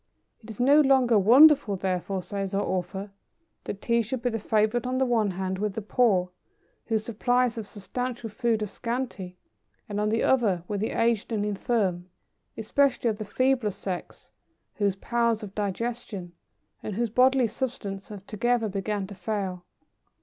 'It is no longer wonderful, therefore,' says our author, 'that Tea should be the favourite on the one hand, with the poor whose supplies of substantial food are scanty; and, on the other, with the aged and infirm, especially of the feebler sex, whose powers of digestion, and whose bodily substance have together begun to fail.